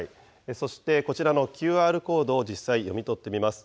そして、こちらのＱＲコードを実際、読み取ってみます。